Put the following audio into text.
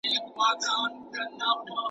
ګل غونډۍ ته، ارغوان ته، چاریکار ته غزل لیکم .